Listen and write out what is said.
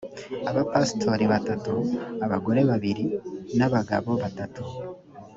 abapasitori batatu abagore babiri n ‘abagabo batatu.